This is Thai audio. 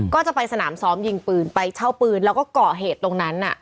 ก็จะไปสนามซ้อมยิงปืนไปเช่าปืนแล้วก็เกาะเหตุตรงนั้น